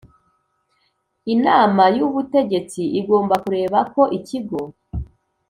Inama y ubutegetsi igomba kureba ko ikigo